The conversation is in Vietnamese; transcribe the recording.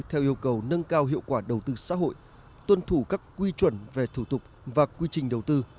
theo yêu cầu nâng cao hiệu quả đầu tư xã hội tuân thủ các quy chuẩn về thủ tục và quy trình đầu tư